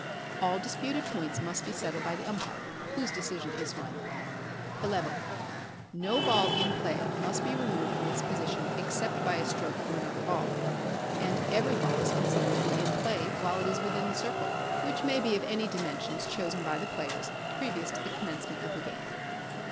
All disputed points must be settled by the umpire, whose decision is final. xi. No ball in play must be removed from its position except by a stroke from another ball, and every ball is considered to be in play while it is within the circle, which may be of any dimensions chosen by the players previous to the commencement of the game.